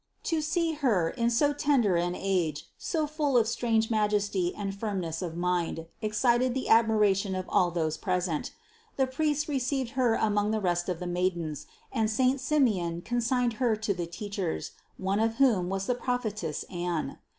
To see Her, in so tender an age, so full of THE CONCEPTION 333 strange majesty and firmness of mind, excited the admir ation of all those present. The priests received Her among the rest of the maidens, and saint Simeon con signed Her to the teachers, one of whom was the prophetess Anne.